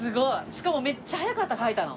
しかもめっちゃ早かった書いたの。